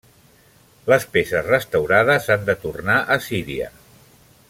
Les peces restaurades han de tornar a Síria.